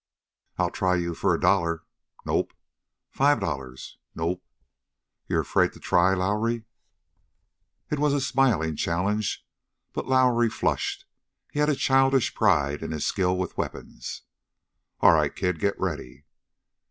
"I'll try you for a dollar." "Nope." "Five dollars?" "Nope." "You're afraid to try, Lowrie!" It was a smiling challenge, but Lowrie flushed. He had a childish pride in his skill with weapons. "All right, kid. Get ready!"